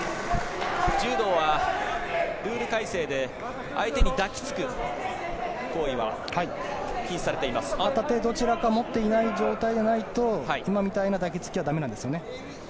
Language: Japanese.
柔道はルール改正で相手に抱きつく行為はああやってどちらかが持っていない状態じゃないと今みたいな抱きつきは駄目なんですよね。